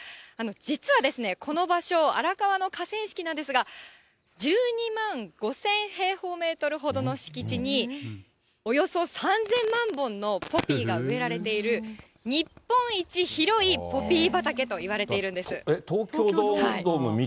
実は、この場所、荒川の河川敷なんですが、１２万５０００平方メートルほどの敷地に、およそ３０００万本のポピーが植えられている、日本一広いポピー畑といわれているんです。